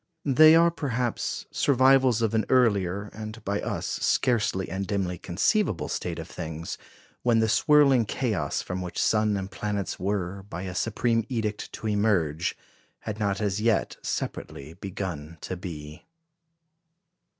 They are, perhaps, survivals of an earlier, and by us scarcely and dimly conceivable state of things, when the swirling chaos from which sun and planets were, by a supreme edict, to emerge, had not as yet separately begun to be.